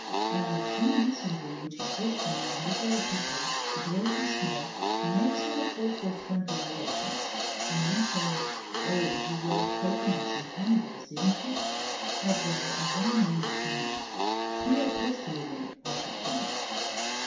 And the freemasonry which exists among literary people, great and small, makes on the whole for friendly relations. A man says: 'Oh, you wrote Cocoanuts and Cannibals, didn't you? Had rather a run when it came out. Queer place to live in, I should think.